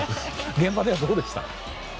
現場ではどうでした？